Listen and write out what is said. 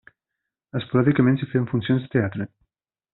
Esporàdicament, s'hi feien funcions de teatre.